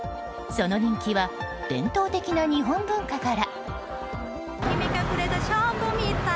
その人気は伝統的な日本文化から。